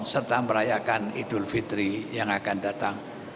serta merayakan idul fitri yang akan datang